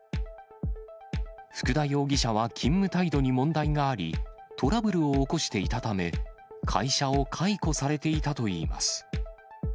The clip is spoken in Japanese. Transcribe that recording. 福田容疑者は勤務態度に問題があり、トラブルを起こしていたため、会社を解雇されていたといいます。